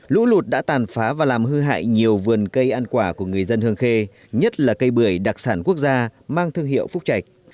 lũ lụt đã tàn phá và làm hư hại nhiều vườn cây ăn quả của người dân hương khê nhất là cây bưởi đặc sản quốc gia mang thương hiệu phúc trạch